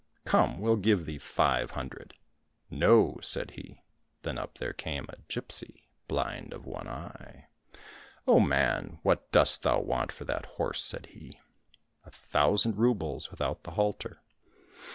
Come, we'll give thee five hun dred !"—" No !" said he. Then up there came a gipsy, blind of one eye. " O man ! what dost thou want for that horse ?" said he. —" A thousand roubles without the halter."